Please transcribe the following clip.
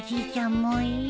もういいよ。